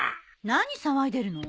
・何騒いでるの？